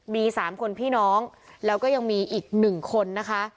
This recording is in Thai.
มีสามคนพี่น้องแล้วก็ยังมีอีกหนึ่งคนนะคะ